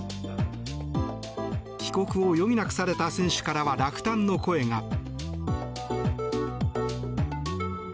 帰国を余儀なくされた選手からは落胆の声が。